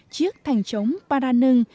chiếc thành trống paranưng